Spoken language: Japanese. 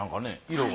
色が。